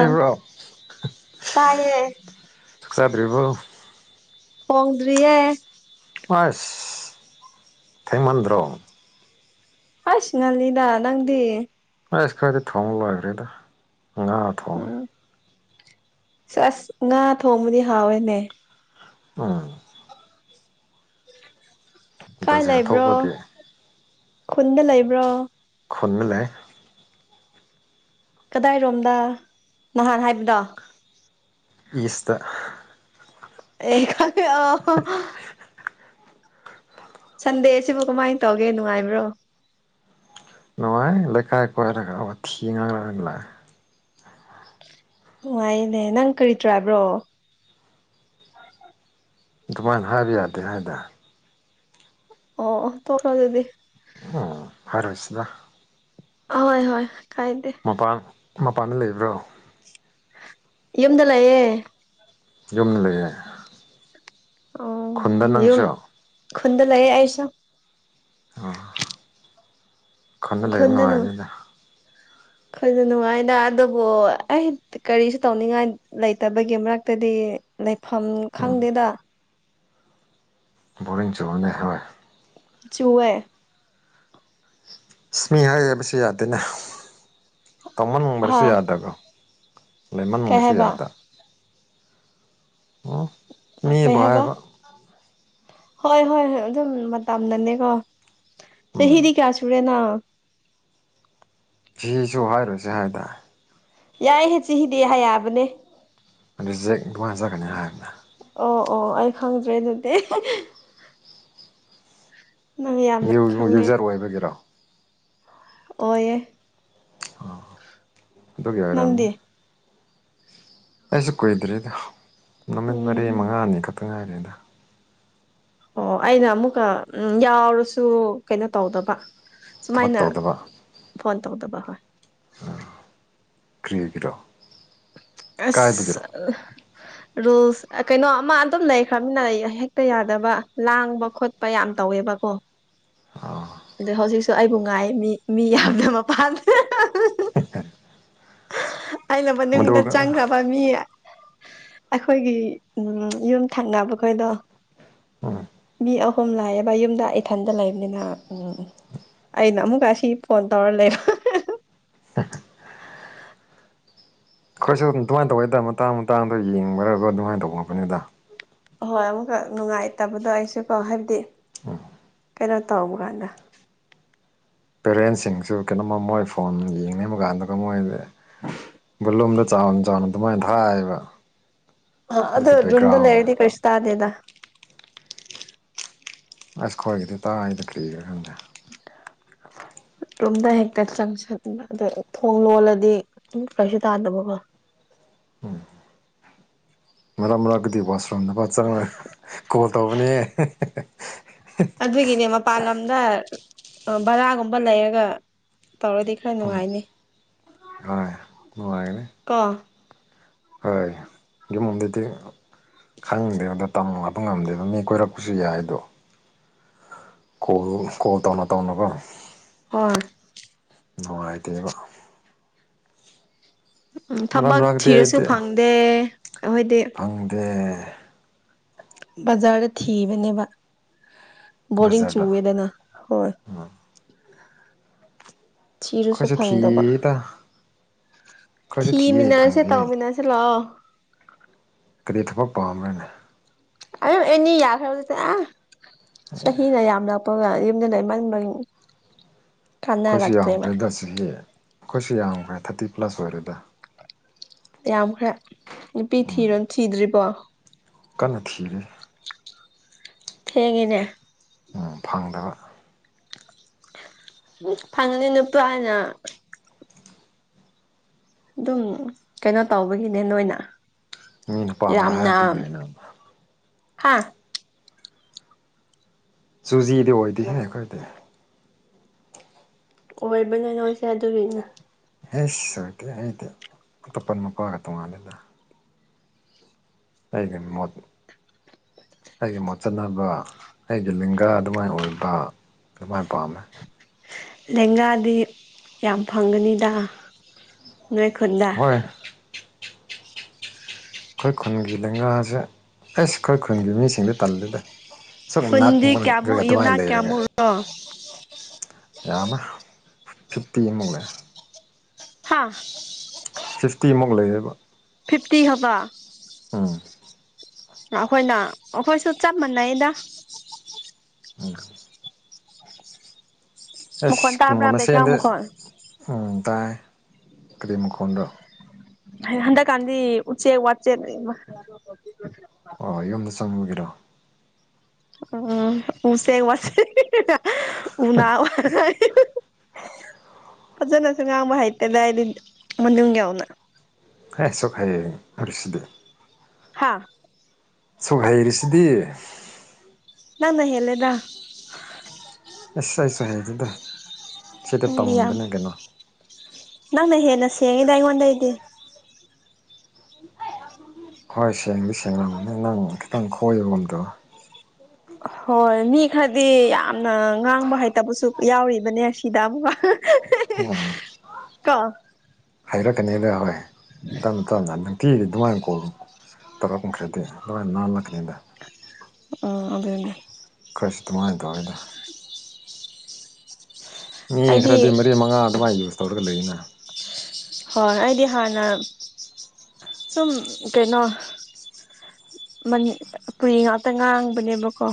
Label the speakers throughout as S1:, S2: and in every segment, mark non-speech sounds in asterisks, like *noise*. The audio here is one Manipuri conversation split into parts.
S1: ꯑ ꯇꯥꯏꯌꯦ
S2: ꯆꯥꯕ꯭ꯔꯤꯕꯕꯨ
S1: ꯐꯣꯡꯗꯔꯤꯌꯥꯦ
S2: ꯑꯁ ꯊꯦꯃꯟꯗ꯭ꯔꯣ
S1: ꯍꯁ ꯉꯅꯤꯗꯥ ꯅꯪꯗꯤ
S2: ꯏꯁ ꯈꯗꯤ ꯊꯣꯡ ꯂꯣꯏꯈ꯭ꯔꯦꯗ ꯉꯥ ꯊꯣꯡꯉꯦ
S1: ꯁꯁ ꯉꯥ ꯊꯣꯡꯃꯅꯤ ꯍꯥꯥꯎꯋꯦꯅꯦ
S2: ꯎꯝ
S1: ꯎ
S2: ꯕ꯭ꯔꯖꯦꯜ ꯊꯣꯛꯄꯗꯤ
S1: ꯈꯨꯟꯗ ꯂꯩꯕ꯭ꯔꯣ
S2: ꯈꯨꯂꯦ
S1: ꯀꯗꯥꯏꯔꯣꯝꯗ ꯅꯍꯥꯟ ꯍꯥꯏꯕꯗꯣ
S2: ꯏꯁꯁꯇꯔ
S1: ꯑꯦ ꯈ ꯑ ꯁꯟꯗꯦꯁꯤꯕꯨ ꯀꯃꯥꯏꯅ ꯇꯧꯒꯦ ꯅꯨꯡꯉꯥꯏꯕ꯭ꯔꯣ
S2: ꯅꯥꯏꯀꯥꯏ ꯀꯣꯏꯔ ꯊꯤꯂ
S1: ꯅꯨꯡꯉꯥꯏꯅꯦ ꯅꯪ ꯀꯔꯤ ꯇ꯭ꯔꯥꯕ꯭ꯔꯣ
S2: ꯑꯗꯨꯃꯥꯏꯅ ꯍꯥꯏꯕ ꯌꯥꯗꯦ ꯍꯥꯏꯗ
S1: ꯑꯣ ꯇꯧ ꯀ ꯑꯗꯨꯗꯤ
S2: ꯑꯣ ꯐꯔꯣꯏꯁꯤꯗ
S1: ꯍꯣꯏ ꯍꯣꯏ ꯀꯥꯏꯗꯦ
S2: ꯃꯄꯥꯟ ꯃꯄꯥꯟꯗ ꯂꯩꯕ꯭ꯔꯣ
S1: ꯌꯝꯗꯂꯑꯦ
S2: ꯌꯨꯝ ꯂꯩꯦ
S1: ꯑꯣ ꯌ ꯈꯨꯨꯟꯗ ꯂꯩꯌꯦ ꯑꯁ
S2: ꯑ ꯈꯅ ꯂꯩꯔꯦ
S1: ꯈꯨꯟꯗ ꯅꯨꯡ
S2: ꯅꯨꯡꯉꯥꯏꯔꯅꯤꯗ
S1: ꯑꯩꯈꯣꯏꯁꯨ ꯅꯨꯡꯉꯥꯏꯅ ꯑꯗꯨꯕꯨ ꯑꯩ ꯀꯔꯤꯁꯨ ꯇꯧꯅꯤꯡꯉꯥꯏ ꯂꯩꯇꯕꯒꯤ ꯃꯔꯛꯇꯗꯤ ꯐꯝ
S2: ꯎꯝ
S1: ꯈꯪꯗꯦꯗ
S2: ꯕꯔꯤꯡ ꯆꯧꯕꯅꯦ ꯍꯣꯏ
S1: ꯆꯨꯑꯦ
S2: ꯁꯃꯤ ꯍꯥꯏ ꯍꯥꯏꯕꯁꯨ ꯌꯥꯗꯦꯅꯦ ꯇꯥꯃꯟꯕꯔꯁꯨ
S1: ꯑꯥ
S2: ꯌꯥꯗꯒꯣ
S1: ꯀꯩ
S2: ꯂꯩꯃꯟꯕꯁꯨ
S1: ꯍꯥꯏꯕ
S2: ꯌꯥꯗ ꯎꯝ
S1: ꯀꯩ ꯍꯥꯏꯕ ꯍꯣꯏ ꯍꯣꯏꯣꯏ ꯑꯗꯨꯝ ꯃꯇꯝꯅꯅꯦꯀꯣ
S2: ꯎꯝ
S1: ꯆꯍꯤꯗꯤ ꯀꯌꯥ ꯁꯨꯔꯦꯅ
S2: ꯁꯤꯁꯨ ꯍꯥꯏꯔꯨꯁꯦ ꯍꯥꯏꯗ
S1: ꯌꯥꯏꯏ ꯍꯦ ꯆꯤꯍꯤ ꯗꯦ ꯍꯥꯏ ꯌꯥꯕꯅꯦ
S2: ꯑꯗꯨ ꯆꯦꯛ ꯉꯥꯏꯅꯖꯀꯅꯤ ꯍꯥꯏꯔꯗꯅ
S1: ꯑꯣ ꯑꯣ ꯑꯩ ꯈꯪꯗ꯭ꯔꯦ ꯑꯗꯨꯗꯤ ꯅꯪ ꯌꯥꯝꯅ
S2: ꯌꯨꯖꯔ ꯑꯣꯏꯕꯒꯤꯔꯣ
S1: ꯑꯣꯏꯑꯌꯦ
S2: ꯑꯗꯣ ꯀꯌꯥ ꯑꯣꯏꯔꯝꯅ
S1: ꯅꯪꯗꯤ
S2: ꯑꯩꯁꯨ ꯀꯨꯏꯗ꯭ꯔꯤꯗ ꯅꯨꯃꯤꯠ ꯃꯔꯤ
S1: ꯎꯝ
S2: ꯃꯉꯥꯅꯤ ꯈꯛꯇꯪ ꯉꯥꯏꯔꯦꯗ
S1: ꯑꯣ ꯑꯩꯅ ꯑꯃꯨꯛꯀ ꯎ ꯌꯥꯎꯔꯁꯨ ꯀꯩꯅꯣ ꯇꯧꯗꯕ
S2: ꯊꯕꯛ ꯇꯧꯗꯕ
S1: ꯍꯟ ꯇ ꯍꯗꯕꯥ ꯍꯣꯏ
S2: ꯀ꯭ꯔꯤꯒ꯭ꯔꯣ
S1: ꯑꯁ ꯔꯨꯜꯁ ꯀꯩꯅꯣ ꯑꯃ ꯑꯗꯨꯝ ꯂꯩꯈ꯭ꯔꯕꯅꯤꯅ ꯍꯦꯛꯇ ꯌꯥꯗꯕ ꯂꯥꯡꯕ ꯈꯣꯠꯄ ꯌꯥꯝ ꯌꯥꯝ ꯇꯧꯋꯦꯕꯀꯣ
S2: ꯑ
S1: ꯑꯗ ꯍꯧꯖꯤꯛꯁꯨ ꯑꯩꯕꯨ ꯉꯥꯏ ꯃꯤ ꯃꯤ ꯌꯥꯝꯅ ꯃꯄꯥꯟꯗꯦ
S2: ꯑꯦꯇꯥꯔꯦ
S1: ꯑꯩꯅ ꯃꯅꯨꯡꯗ ꯆꯪꯈ꯭ꯔꯕ ꯃꯤꯌꯦ ꯑꯩꯈꯣꯏꯒꯤ ꯎꯝ ꯌꯨꯝ ꯊꯪꯅꯕ ꯈꯣꯏꯗꯣ
S2: ꯎꯝ
S1: ꯃꯤ ꯑꯍꯨꯝ ꯂꯥꯛꯑꯕ ꯌꯨꯝꯗ ꯏꯊꯟꯗ ꯂꯩꯕꯅꯤꯅ ꯎꯝ ꯑꯩ ꯅ ꯑꯃ ꯀꯥꯁꯤ ꯐꯣꯟ ꯇꯧꯔ ꯂꯩꯔꯣ
S2: ꯍ ꯑꯩꯈꯣꯏꯁꯨ ꯑꯗꯨꯃꯥꯏꯅ ꯇꯧꯩꯗ ꯃꯇꯥꯡ ꯃꯇꯥꯡꯗ ꯌꯦꯡꯕꯔꯒ ꯑꯗꯨꯃꯥꯏꯅ ꯇꯧꯕ ꯉꯄꯅꯤꯗ
S1: ꯑꯍꯣꯏ ꯑꯃꯨꯛꯀꯛ ꯅꯨꯡꯉꯥꯏꯇꯕꯗꯣ ꯑꯩꯁꯨ ꯀꯣ ꯍꯥꯏꯕꯗꯤ
S2: ꯑ
S1: ꯀꯩꯅꯣ ꯇꯥꯎꯕ ꯀꯥꯟꯗ
S2: ꯄꯦꯔꯦꯟꯁꯤꯡꯁꯨ ꯀꯩꯅꯣꯃ ꯃꯣꯏ ꯐꯣꯟ ꯌꯦꯡꯅꯤꯡꯕ ꯀꯥꯟꯗꯨꯒ ꯃꯣꯏ ꯕꯂꯣꯝꯗ ꯆꯥꯎꯅ ꯆꯥꯎꯅ ꯑꯗꯨꯃꯥꯏꯅ ꯊꯥꯏꯕ
S1: ꯑꯗꯨꯗ ꯔꯝꯗꯂ ꯍꯗꯤ ꯀ ꯏꯁ ꯑꯗꯨꯗꯦꯗ
S2: ꯑꯁ ꯈꯋꯥꯣꯏꯒꯤꯗꯤ ꯇꯥꯡ ꯇ ꯀ꯭ꯒ ꯈꯪꯗꯦ
S1: ꯌꯨꯝꯗ ꯍꯦꯛꯇ ꯆꯪꯁꯟ ꯑꯗ ꯊꯣꯡ ꯂꯣꯜꯂꯗꯤ ꯀꯩꯁꯨ ꯇꯥꯗꯕꯀꯣ
S2: ꯎꯝ ꯔꯃ ꯑꯒꯗꯤ ꯐꯁ꯭ꯔꯅ ꯐꯆꯥ ꯀꯣꯜ ꯇꯧꯕꯨꯅꯤ
S1: ꯑꯗꯨꯒꯤꯅꯦ ꯃꯄꯥꯟ ꯂꯝꯗ ꯕꯔꯥꯒꯨꯝꯕ ꯂꯩꯔꯒ ꯇꯧꯔꯗꯤ ꯈꯔ
S2: ꯎꯝ
S1: ꯅꯨꯡꯉꯥꯏꯅꯤ
S2: ꯍꯣꯏ ꯅꯨꯡꯉꯥꯏꯒꯅꯤ
S1: ꯀꯣ
S2: ꯍꯣꯏ ꯌꯃꯗꯗꯤ ꯈꯪꯗꯦ ꯑꯣꯗ ꯇꯪ ꯉꯄ ꯉꯝꯗꯦꯕ ꯃꯤ ꯀꯣꯏꯔꯛꯄꯁꯨ ꯌꯥꯏꯗꯣ ꯀꯣꯜ ꯀꯣꯜ ꯇꯧꯅ ꯇꯧꯅꯒ
S1: ꯍꯣꯏ
S2: ꯅꯨꯡꯉꯥꯏꯇꯦꯕ
S1: ꯎꯝ
S2: ꯃꯔꯛ
S1: ꯊꯕꯛ ꯊꯤꯔꯁꯨ ꯐꯪꯗꯦ ꯑꯩꯈꯣꯏꯗꯤ
S2: ꯐꯪꯗ꯭ꯔꯦ
S1: ꯕꯖꯥꯔꯗ ꯊꯤꯕꯅꯦꯕ ꯕꯗꯤꯡ
S2: ꯕꯖꯥꯔꯗ
S1: ꯆꯨꯋꯦꯗꯅ ꯍꯣꯏ ꯊꯤꯔꯁꯨ
S2: ꯑꯩꯈꯣꯏꯁꯨ
S1: ꯐꯪꯗꯕ
S2: ꯊꯤꯌꯦꯗ ꯑꯩꯈꯣꯏꯁꯨ
S1: ꯊꯤ
S2: ꯊꯤꯌꯦ
S1: ꯃꯤꯅꯥꯁꯦ
S2: ꯐꯪꯗꯦ
S1: ꯇꯥꯎ ꯃꯤꯅꯥꯁꯦ ꯂ
S2: ꯀꯔꯤꯊꯕꯛ ꯄꯥꯝꯔꯅ
S1: ꯑ ꯑꯦꯅꯤ ꯌꯥꯈ꯭ꯔꯕ ꯑ ꯆꯍꯤꯅ ꯌꯥꯝ ꯂꯄ ꯌꯨꯝꯗ ꯂꯩꯃ ꯃ
S2: ꯑꯩꯈꯣꯏꯁꯨ ꯌꯥꯝꯈ꯭ꯔꯦꯗ ꯁꯤꯒꯤ ꯑꯩꯈꯣꯏꯁꯨ ꯌꯥꯝꯈ꯭ꯔꯦ ꯊꯥꯔꯇꯤ ꯄ꯭ꯂꯁ ꯑꯣꯏꯔꯦꯗ
S1: ꯌꯥꯝꯈ꯭ꯔ ꯅꯨꯄꯤ ꯊꯤꯔꯣ ꯊꯤꯗ꯭ꯔꯤꯕꯔꯤꯕꯣ
S2: ꯊꯒ
S1: ꯍꯦꯡꯒꯤꯅꯦ
S2: ꯐꯪꯗꯕ
S1: ꯐꯥꯉꯅꯤ ꯅꯨꯄꯥꯏꯅ ꯑꯗꯨꯝ ꯀꯩꯅꯣ ꯇꯧꯕꯒꯤꯅꯦ ꯅꯣꯏꯅ
S2: ꯃꯤꯅ ꯄꯥꯗ ꯍꯥꯏ ꯄꯤ ꯂꯩꯅ
S1: ꯍꯥꯥ
S2: ꯆꯨꯖꯤꯗꯤ ꯑꯣꯏꯗꯦꯍꯦ ꯑꯩꯈꯣꯏꯗꯤ
S1: ꯑꯣꯏꯕꯅꯦ ꯅꯣꯏꯁꯦ ꯑꯗꯨꯒꯤꯅꯦ
S2: ꯍꯁ ꯑꯣꯀꯦ ꯍꯥꯏꯗꯤ ꯇꯣꯞꯄꯜ ꯃꯄꯥꯒ ꯇꯣꯉꯥꯟꯂꯗ ꯑꯩꯗꯅ ꯃꯗꯨ ꯑꯩꯒꯤ ꯃꯣꯠꯆꯅꯕ ꯑꯩꯒꯤ ꯂꯤꯡꯒꯥ ꯑꯗꯨꯃꯥꯏꯅ ꯑꯣꯏꯕ ꯃꯥꯏ ꯄꯥꯝꯃꯦ
S1: ꯂꯦꯡꯒꯥꯗꯤ ꯌꯥꯝ ꯐꯪꯒꯅꯤꯗ ꯅꯣꯏꯥꯏ ꯈꯣꯟꯗꯥ
S2: ꯍꯣꯏ ꯑꯩꯈꯣꯏ ꯈꯨꯟꯒꯤ ꯂꯦꯡꯒꯥꯥꯁꯦ ꯑꯦꯁ ꯑꯩꯈꯣꯏ ꯈꯨꯟꯒꯤ ꯃꯤꯁꯤꯡꯗ ꯇꯜꯜꯂꯤꯗ
S1: ꯐꯟꯗꯤ ꯀꯦꯌꯥꯃꯣ ꯌꯅꯥ ꯀꯦꯌꯥꯃꯣ
S2: ꯌꯥꯝ ꯑꯃ ꯐꯤꯞꯇꯤ ꯑꯃꯨꯛꯅꯦ
S1: ꯍꯥꯥ
S2: ꯐꯤꯐꯇꯤꯃꯨꯛ ꯂꯩꯌꯦꯕ
S1: ꯐꯤꯞꯇꯤ ꯍꯥꯕ
S2: ꯎꯝ
S1: ꯑꯩꯈꯣꯏꯅ ꯑꯩꯈꯣꯏꯁꯨ ꯆꯞ ꯃꯥꯟꯅꯩꯗ
S2: ꯎꯝ ꯑꯦ
S1: ꯃꯈꯣꯟ ꯇꯥꯕ꯭ꯔꯥ
S2: ꯈꯨꯨꯟꯒꯣꯟꯅꯁꯦ
S1: ꯕꯦꯛꯒ꯭ꯔꯥꯎꯟ
S2: ꯑꯗ
S1: ꯃꯈꯣꯟ
S2: ꯎ ꯇꯥꯏ ꯀ꯭ꯔꯤꯝ ꯈꯣꯟꯗꯣ
S1: ꯍꯟꯗꯛ ꯀꯥꯟꯗꯤ ꯎ ꯎꯆꯦ ꯋꯥꯠꯆꯦ
S2: ꯁꯃꯨꯒ꯭ꯔ
S1: ꯑ ꯎ ꯎꯆꯦꯛꯒ ꯋꯥꯁ ꯎꯅꯥ ꯐꯖꯅꯁꯨ ꯉꯥꯡꯕ ꯍꯩꯇꯦꯗ ꯍꯥꯏꯗꯤ ꯃꯅꯨꯡ ꯌꯥꯎꯅ
S2: ꯍꯥꯏ ꯁꯣꯈꯩꯌꯦ ꯎꯔꯤꯁꯤꯗꯤ
S1: ꯍꯥꯥ
S2: ꯁꯨ ꯍꯩꯔꯤꯁꯤꯗꯤ
S1: ꯅꯅ ꯍꯦꯜꯂꯗ
S2: ꯑꯦꯥꯏ ꯆ ꯍꯥꯏ ꯑꯗꯨꯗ
S1: ꯎꯕꯤ ꯌꯥꯝ ꯅꯪꯃꯦ ꯍꯦꯟꯅ ꯁꯦꯡꯗ ꯑꯩꯉꯣꯟꯗꯗꯤ
S2: ꯍꯣꯏ ꯁꯦꯡꯗꯤ ꯁꯦꯡꯂꯕꯅꯤ ꯅꯪ ꯈꯤꯇꯪ ꯈꯣꯏꯒꯝꯗꯣ
S1: ꯍꯣꯏ ꯃꯤ ꯈꯔꯗꯤ ꯌꯥꯝꯅ ꯉꯥꯡꯕ ꯍꯩꯇꯕꯁꯨ ꯌꯥꯎꯔꯤꯕꯅꯦ ꯁꯤꯗ ꯑꯃꯨꯛꯀ
S2: ꯎꯝ
S1: ꯀꯣ
S2: ꯍꯥꯏꯔꯛꯀꯅꯤꯗ ꯍꯣꯏ ꯇꯝ ꯇꯝ ꯑꯗꯨꯝ ꯊꯤꯗꯤ ꯑꯗꯨꯃꯥꯏꯅ ꯀꯣꯜ ꯇꯥꯔꯛꯈ꯭ꯔꯗꯤ ꯑꯗꯨꯃꯥꯏꯅ ꯅꯥꯜꯂꯛꯀꯅꯤꯗ
S1: ꯑꯣ ꯑꯗꯨꯗꯅꯦ
S2: ꯈꯁꯇꯃꯥꯏꯗ ꯑꯣꯏꯗ ꯃꯤ
S1: ꯑꯩꯗꯤ
S2: ꯈꯔꯗꯤ ꯃꯔꯤ ꯃꯉꯥ ꯑꯗꯨꯃꯋꯥꯥꯏ ꯌꯨꯁ ꯇꯧꯔꯒ ꯂꯩꯅ
S1: ꯍꯣꯏ ꯑꯩꯗꯤ ꯍꯥꯟꯅ ꯁꯨꯝ ꯀꯩꯅꯣ ꯀꯔꯤ ꯉꯥꯛꯇ ꯉꯥꯡꯕꯅꯦꯕꯀꯣ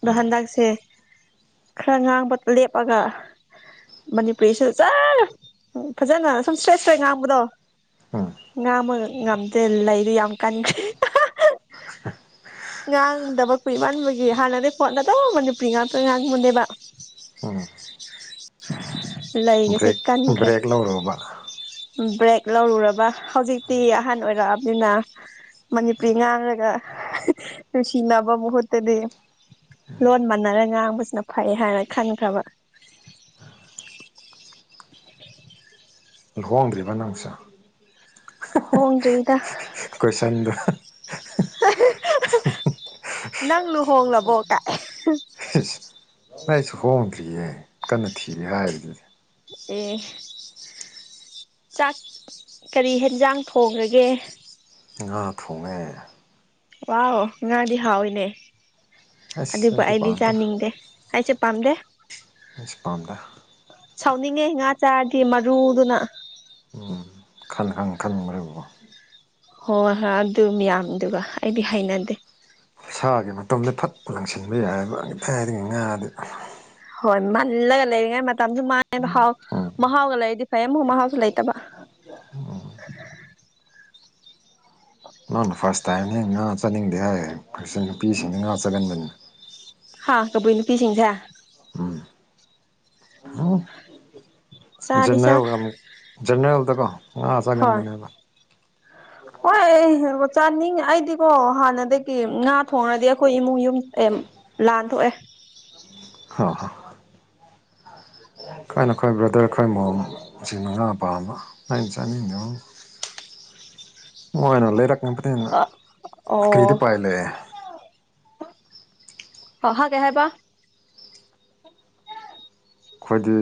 S1: ꯑꯗꯣ ꯍꯟꯗꯛꯁꯦ ꯈꯔ ꯉꯥꯡꯕ ꯂꯦꯞꯄꯒ ꯃꯅꯤꯄꯨꯔꯤꯁꯤ ꯆꯠ ꯎ ꯐꯖꯅ ꯁꯨꯝ ꯁ꯭ꯔꯦ ꯁ꯭ꯔꯦ ꯉꯥꯡꯕꯗꯣ
S2: ꯎꯝ
S1: ꯉꯥꯃ ꯉꯝꯗꯦ ꯂꯩꯗꯤ ꯌꯥꯝ ꯀꯟꯈꯦ ꯉꯥꯡꯗꯕ ꯀꯨꯏ ꯋꯥꯟꯕꯒꯤ ꯍꯥꯟꯅꯗꯤꯩ ꯐꯣꯟ ꯅꯠꯇꯧ ꯃꯅꯤꯄꯨꯔꯤ ꯉꯥꯛꯇ ꯉꯥꯡꯕꯅꯦꯕ
S2: ꯎꯝ
S1: ꯂꯩꯒꯁꯦ
S2: ꯕ꯭ꯔꯦꯛ
S1: ꯀꯟꯈ꯭ꯔꯦ
S2: ꯕ꯭ꯔꯦꯛ ꯂꯧꯔꯣꯕ
S1: ꯕ꯭ꯔꯦꯛ ꯂꯧꯔꯨꯔꯕ ꯍꯧꯖꯤꯛꯇꯤ ꯑꯍꯟ ꯑꯣꯏꯔꯛꯑꯕꯅꯤꯅ ꯃꯅꯤꯄꯨꯔꯤ ꯉꯥꯡꯔꯒ ꯅꯨꯡꯁꯤꯅꯕ ꯃꯍꯨꯠꯇꯗꯤ ꯂꯣꯟ ꯃꯥꯟꯅꯔ ꯉꯥꯡꯕꯁꯤꯅ ꯐꯩ ꯍꯥꯏꯔ ꯈꯟꯈ꯭ꯔꯕ *inaudible*
S2: ꯂꯨꯍꯣꯡꯗ꯭ꯔꯤꯕ ꯅꯪꯁꯦ
S1: ꯍꯣꯡꯣꯡꯗꯣꯏꯗ
S2: ꯀꯣꯏꯁꯟꯗ
S1: ꯅꯪꯅ ꯍꯣꯡꯂꯕꯣ ꯀꯥꯏ
S2: ꯑꯦꯁ ꯅ ꯑꯩꯁꯨ ꯍꯣꯡꯗ꯭ꯔꯤꯌꯦꯦ ꯀꯟꯅ ꯊꯤꯒꯦ ꯍꯥꯏꯕꯗꯨꯗꯤ
S1: ꯑꯦ ꯆꯥꯛ ꯀꯔꯤ ꯍꯦꯟꯖꯥꯡ ꯊꯣꯡꯉꯒꯦ
S2: ꯉꯥ ꯊꯣꯡꯉꯦ
S1: ꯋꯥ ꯉꯥꯗꯤ ꯍꯥꯎꯋꯏꯅꯦ
S2: ꯑꯁ
S1: ꯑꯗꯨꯕꯨ ꯑꯩꯗꯤ
S2: ꯄꯥꯝꯗꯦ
S1: ꯆꯥꯅꯤꯡꯗꯦ ꯍꯥꯏꯁꯦ ꯄꯝꯗꯦ
S2: ꯃ ꯄꯝꯗ
S1: ꯁꯥꯎꯅꯤꯡꯉꯦ ꯉꯥ ꯆꯥꯔꯗꯤ ꯃꯔꯨꯗꯨꯅ
S2: ꯈꯪ ꯈꯪ ꯈꯪꯈꯔꯔꯤꯕ
S1: ꯍꯣꯏ ꯍꯣꯏ ꯑꯗꯨ ꯃꯌꯥꯝꯗꯨꯒ ꯑꯩꯗꯤ ꯍꯥꯏꯅꯗꯦ
S2: ꯁꯥꯒꯤ ꯃꯇꯝꯗ ꯐꯠꯄ ꯂꯪꯁꯤꯟꯕ ꯌꯥꯏꯑꯕꯀꯥꯏꯗꯤ ꯉꯥꯗꯤ
S1: ꯍꯣꯏ ꯃꯜꯂꯒ ꯂꯩꯔꯤꯉꯩ ꯃꯇꯝꯁꯨ ꯃ ꯃꯍꯥꯎ
S2: ꯎꯝ
S1: ꯃꯍꯥꯎꯒ ꯂꯩꯔꯗꯤ ꯐꯩ ꯑꯃꯨꯛ ꯃꯍꯥꯎꯁꯨ ꯂꯩꯇꯕ
S2: ꯑꯣ ꯅꯪꯅ ꯐꯥꯔꯁ ꯇꯥꯏꯝ ꯍ ꯉꯥ ꯆꯥꯅꯤꯡꯗꯦ ꯍꯥꯏꯌꯦꯁꯤ ꯅꯨꯄꯤꯁꯤꯡꯅ ꯉꯥ ꯆꯠꯍꯟꯕꯅꯤꯅ
S1: ꯍꯥꯥ ꯀꯕꯨ ꯅꯨꯄꯤꯤꯁꯤꯡꯁ
S2: ꯎꯝ
S1: ꯆꯥꯗꯤ ꯆꯥ
S2: ꯟꯅꯒ ꯗ ꯀꯣ
S1: ꯍꯣꯏ
S2: ꯉꯁꯥꯗꯅꯦꯕ
S1: ꯍꯣꯏ ꯆꯥꯅꯤꯡꯉ ꯑꯩꯗꯤꯀꯣ ꯍꯥꯟꯅꯗꯒꯤ ꯉꯥ ꯊꯣꯡꯉꯗꯤ ꯑꯩꯈꯣꯏ ꯏꯃꯨꯡ ꯌꯨꯝ ꯂꯥꯟ ꯊꯣꯛꯣꯛꯑꯦ
S2: ꯍꯣꯏ ꯍꯣꯏ ꯀꯥꯏꯅ ꯑꯩꯈꯣꯏ ꯕ꯭ꯔꯗꯔ ꯈꯈꯣꯏ ꯃꯣꯝꯁꯤ ꯃ ꯉꯥ ꯄꯥꯝꯕ ꯑꯩꯅ ꯆꯥꯅꯤꯡꯗꯕ ꯃꯥꯏꯅꯂꯔꯄ ꯀꯔꯤꯗꯤꯄꯥꯏ
S1: ꯑꯣ
S2: ꯂꯩꯦ
S1: ꯍ ꯍꯒꯦ ꯍꯥꯏꯦꯕ
S2: ꯑꯩꯈꯣꯏꯗꯤ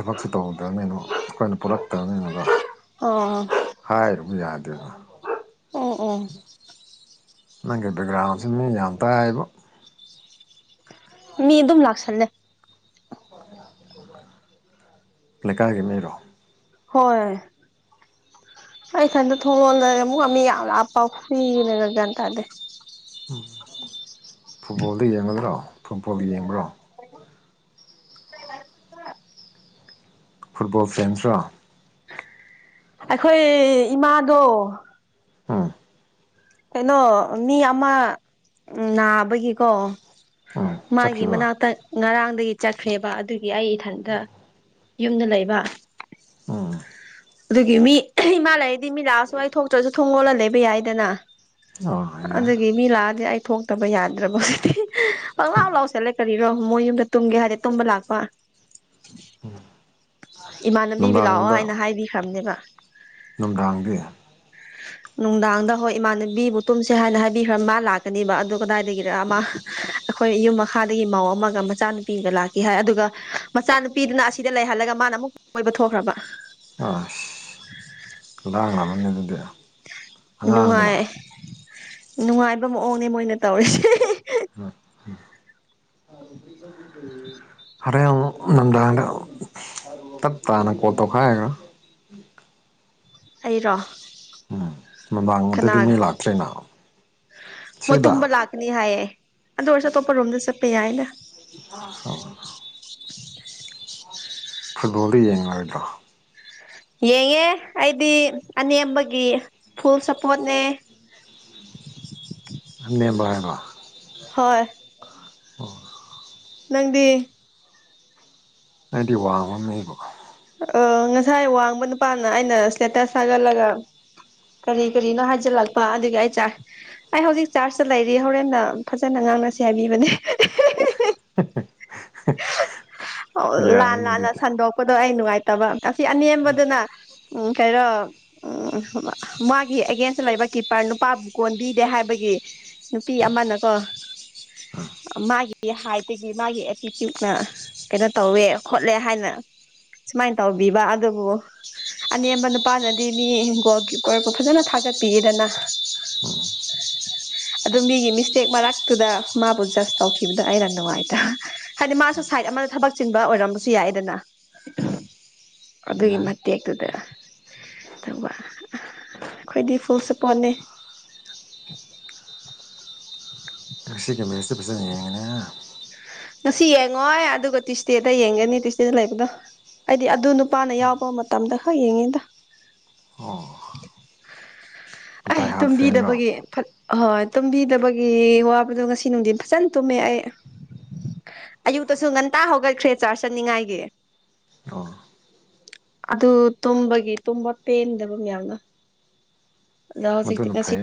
S2: ꯊꯕꯛꯁꯨ ꯇꯧꯗ꯭ꯔꯕꯅꯤꯅ ꯑꯩꯈꯣꯏꯅ ꯄꯨꯔꯛꯇꯕꯅꯤꯅꯀ
S1: ꯑꯣ
S2: ꯌꯥꯗꯦꯕ
S1: ꯑꯣ ꯑꯣ
S2: ꯅꯪꯒꯤ ꯕ‌ꯦꯛꯒ꯭ꯔꯥꯟꯁꯤ ꯃꯤ ꯌꯥꯝ ꯇꯥꯏꯕ‌ꯣ
S1: ꯃꯤ ꯑꯗꯨꯝ ꯂꯥꯛꯁꯟꯂ‌ꯦ
S2: ꯂꯩꯀꯥꯏꯒꯤ ꯃꯤꯔꯣ
S1: ꯍꯣꯏ ꯑꯩꯊꯟꯗ ꯊꯣꯡꯂꯣꯂ ꯑꯃꯨꯛꯀ ꯃꯤ ꯌꯥꯝ ꯂꯥꯞꯄ ꯐꯨꯏꯔꯦ ꯒ꯭ꯌꯥꯟ ꯇꯥꯗ‌ꯦ
S2: ꯎꯝ ꯐꯨꯠꯕꯣꯜꯗ ꯌꯦꯡꯒꯗ꯭ꯔꯣ ꯐꯨꯠꯕꯣꯜ ꯌꯦꯡꯕ꯭ꯔꯣ ꯐꯨꯠꯕꯣꯜ ꯐꯦꯟꯁꯂ‌ꯣ
S1: ꯑꯩꯈꯣꯏ ꯏꯃꯥꯗꯣ
S2: ꯎꯡ
S1: ꯀꯩꯅꯣ ꯃꯤ ꯑꯃ ꯅꯥꯕꯒꯤꯀꯣ
S2: ꯎꯝ
S1: ꯃꯥꯒꯤ
S2: ꯆꯠꯈꯤꯕ
S1: ꯃꯅꯥꯛꯇ ꯉꯔꯥꯡꯗꯒꯤ ꯆꯠꯈ꯭ꯔꯦꯕ ꯑꯗꯨꯒꯤ ꯑꯩ ꯏꯊꯟꯇ ꯌꯨꯝꯗ ꯂꯩꯕ
S2: ꯎꯡ
S1: ꯑꯗꯨꯒꯤ ꯃꯤ ꯏꯃꯥ ꯂꯩꯔꯗꯤ ꯃꯤ ꯂꯥꯛꯑꯁꯨ ꯑꯩ ꯊꯣꯛꯇ꯭ꯔꯁꯨ ꯊꯣꯡ ꯂꯣꯜꯂ ꯂꯩꯕ ꯌꯥꯏꯗꯅ
S2: ꯑꯣ ꯌꯥꯏ
S1: ꯑꯗꯨꯒꯤ ꯃꯤ ꯂꯥꯛꯑꯗꯤ ꯑꯩ ꯊꯣꯛꯇꯕ ꯌꯥꯗ꯭ꯔꯕ ꯄꯪꯂꯥꯎ ꯂꯥꯎꯁꯜꯂ‌ꯦ ꯀꯔꯤꯔꯣ ꯃꯣꯏ ꯌꯨꯝꯗ ꯇꯨꯝꯒꯦ ꯍꯥꯏꯗꯤ ꯇꯨꯝꯕ ꯂꯥꯛꯄ ꯏꯃꯥꯟꯅꯕꯤꯕꯤ ꯂꯥꯛꯑꯣ
S2: ꯅꯨꯡꯗꯥꯡꯗ
S1: ꯍꯥꯏꯅ ꯍꯥꯏꯕꯤꯈ꯭ꯔꯕꯅꯦꯕ
S2: ꯅꯨꯡꯗꯥꯡꯗꯤ
S1: ꯅꯨꯡꯗꯥꯡꯗ ꯍꯣꯏ ꯏꯃꯥꯟꯅꯕꯤꯕꯨ ꯇꯨꯝꯁꯦ ꯍꯥꯏꯅ ꯍꯥꯏꯕꯤꯈ꯭ꯔ ꯃꯥ ꯂꯥꯛꯀꯅꯤꯕ ꯑꯗꯨ ꯀꯗꯥꯏꯗꯒꯤꯔ ꯑꯃ ꯑꯩꯈꯣꯏ ꯌꯨꯝ ꯃꯈꯥꯗꯒꯤ ꯃꯥꯎ ꯑꯃꯒ ꯃꯆꯥꯅꯨꯄꯤꯒ ꯂꯥꯛꯈꯤ ꯍꯥꯏ ꯑꯗꯨꯒ ꯃꯆꯥꯅꯨꯄꯤꯗꯨꯅ ꯑꯁꯤꯗ ꯂꯩꯍꯜꯂꯒ ꯃꯥꯅ ꯑꯃꯨꯛꯕ ꯀ‌ꯣꯏꯕ ꯊꯣꯛꯈ꯭ꯔꯕ
S2: ꯑꯁ ꯂꯥꯡ ꯂꯥꯛꯃꯅꯤ ꯑꯗꯨꯗꯤ ꯑꯉꯥꯡꯗꯅ
S1: ꯅꯨꯡꯉꯥꯏ ꯅꯨꯡꯉꯥꯏꯕ ꯃꯑꯣꯡꯅꯦ ꯃꯣꯏꯅ ꯇꯧꯔꯤꯁꯦ
S2: ꯍꯝ ꯍ‌ꯣꯔ‌ꯦꯟ ꯑꯃꯨꯛ ꯅꯨꯝꯗꯥꯡꯗ ꯑꯃꯨꯛ ꯇꯞ ꯇꯥꯅ ꯀꯣꯜ ꯇꯩꯈꯥꯏꯒꯔ‌ꯣ
S1: ꯑꯩꯔꯣ
S2: ꯎꯝ ꯅꯨꯡꯗꯥꯡꯒꯨꯝꯕꯗꯗꯤ ꯃꯤ
S1: ꯀꯅꯥꯒ
S2: ꯂꯥꯛꯇ꯭ꯔ‌ꯦꯅ
S1: ꯃꯣꯏ
S2: ꯁꯤꯗ
S1: ꯇꯨꯝꯕ ꯂꯥꯛꯀꯅꯤ ꯍꯥꯏꯌꯦ ꯑꯗꯨ ꯑꯣꯏꯔꯁꯨ ꯑꯇꯣꯞꯄ ꯔꯣꯝꯗ ꯆꯠꯄ ꯌꯥꯏꯅ
S2: *inaudible*
S1: *unintelligible*
S2: ꯐꯨꯠꯕꯣꯜꯗ ꯌꯦꯡꯉꯥꯔ‌ꯣꯏꯗ꯭ꯔꯣ
S1: ꯌꯦꯡꯉꯦ ꯑꯩꯗꯤ ꯑꯅꯦꯝꯕꯒꯤ ꯐꯨꯜ ꯁꯞꯄꯣꯔꯠꯅꯦ
S2: ꯑꯅ‌ꯦꯝꯕ ꯍꯥꯏꯕ
S1: ꯍꯣꯏ
S2: ꯑꯣ
S1: ꯅꯪꯗꯤ
S2: ꯑꯩꯗꯤ ꯋꯥꯡꯕ ꯃꯤꯕꯨ
S1: ꯑ ꯉꯁꯥꯏ ꯋꯥꯡꯕ ꯅꯨꯄꯥꯅ ꯑꯩꯅ ꯁꯇ‌ꯦꯇꯁ ꯊꯥꯒꯠꯂꯒ ꯀꯔꯤ ꯀꯔꯤꯅꯣ ꯍꯥꯏꯖꯤꯜꯂꯛꯄ ꯑꯗꯨꯒꯤ ꯑꯩ ꯆꯥꯔ ꯑꯩ ꯍꯧꯖꯤꯛ ꯆꯥꯔꯆꯇ ꯂꯩꯔꯤ ꯍꯣꯔꯦꯟꯅ ꯐꯖꯅ ꯉꯥꯡ ꯁꯥꯟꯅꯁ‌ꯦ ꯍꯥꯏꯕꯤꯕꯅꯦ
S2: *inaudible*
S1: ꯑꯣ ꯂꯥꯟ
S2: ꯌꯥꯏꯅꯦ
S1: ꯂꯥꯟꯅ
S2: ꯑꯗꯨꯗꯤ
S1: ꯁꯟꯗꯣꯛꯄꯗꯣ ꯑꯩ ꯅꯨꯡꯉꯥꯏꯇꯕ ꯁꯤ ꯑꯅꯦꯝꯕꯗꯨꯅ ꯎꯝ ꯀꯔꯣ ꯎꯝ ꯃꯥꯒꯤ ꯑꯦꯒꯦꯟꯁꯇ ꯂꯩꯕ ꯀꯤꯞꯄꯔ ꯅꯨꯄꯥꯕꯨ ꯀꯣꯟꯕꯤꯗꯦ ꯍꯥꯏꯕꯒꯤ ꯅꯨꯄꯤ ꯑꯃꯅꯀꯣ ꯃꯥꯒꯤ ꯍꯥꯏꯠꯇꯒꯤ ꯃꯥꯒꯤ ꯌꯨꯇꯌꯨꯕꯅ ꯀꯩꯅꯣ ꯇꯧꯋꯦ ꯈꯣꯠꯂꯦ ꯍꯥꯏꯅ ꯁꯨꯃꯥꯏꯅ ꯇꯧꯕꯤꯕ ꯑꯗꯨꯕꯨ ꯑꯅꯦꯝꯕ ꯅꯨꯄꯥꯅꯗꯤ ꯃꯤ ꯒꯣꯜ ꯀꯤꯞꯄꯔꯕꯨ ꯐꯖꯅ ꯊꯥꯒꯠꯄꯤꯗꯅ
S2: *unintelligible*
S1: ꯑꯗꯨ ꯃꯤꯒꯤ ꯃꯤꯁꯇꯦꯛ ꯃꯔꯛꯇꯨꯗ ꯃꯥꯕꯨ ꯖꯁ ꯇꯧꯈꯤꯕꯗ ꯑꯩꯅ ꯅꯨꯡꯉꯥꯏꯇꯕ ꯍꯥꯏꯗꯤ ꯃꯥꯁꯨ ꯁꯥꯏꯠ ꯑꯃꯗ ꯊꯕꯛ ꯆꯤꯟꯕ ꯑꯣꯏꯔꯝꯕꯁꯨ ꯌꯥꯏꯗꯅ
S2: ꯎꯝ
S1: ꯑꯗꯨꯒꯤ
S2: ꯌꯥꯏ
S1: ꯃꯠꯇꯦ ꯍꯥꯏꯛꯇꯗ ꯇ ꯑꯩꯈꯣꯏꯗꯤ ꯐꯨꯜꯁꯨ ꯄꯣꯟꯅꯤ
S2: *unintelligible* ꯁꯤ ꯀ ꯁ ꯄꯁꯉ ꯌꯦꯉꯅ
S1: ꯉꯁꯤ ꯌꯦꯡꯉꯣꯏ ꯑꯗꯨꯒ ꯇ꯭ꯁꯗꯦꯗ ꯌꯦꯡꯒꯅꯤ ꯇ꯭ꯁꯗꯦꯗ ꯂꯩꯕꯗꯣ ꯍꯥꯏꯗꯤ ꯑꯗꯨ ꯅꯨꯄꯥꯅ ꯌꯥꯎꯕ ꯃꯇꯝꯗ ꯈꯔ ꯌꯦꯡꯉꯤꯗ
S2: ꯑꯣ
S1: ꯑꯩ
S2: ꯗꯥꯏ ꯍꯥꯔꯠ ꯐꯦꯟꯔꯣ
S1: ꯇꯨꯝꯕꯤꯗꯕꯒꯤ ꯑꯍꯣꯏ ꯇꯨꯝꯕꯤꯗꯕꯒꯤ ꯋꯥꯕꯗꯣ ꯉꯁꯤ ꯅꯨꯡꯊꯤꯟ ꯐꯖꯅ ꯇꯨꯝꯃꯦ ꯑꯩ ꯑꯌꯨꯛꯇꯁꯨ ꯉꯟꯇꯥ ꯍꯧꯒꯠꯈ꯭ꯔꯦ ꯆꯥꯔ ꯆꯠꯅꯤꯉꯥꯏꯒꯤ
S2: ꯑꯣ
S1: ꯑꯗꯨ ꯇꯨꯝꯕꯒꯤ ꯇꯨꯝꯕ ꯄꯦꯟꯗꯕ ꯃꯌꯥꯝꯅ ꯁꯤ
S2: ꯃꯗꯨꯅ ꯐꯩ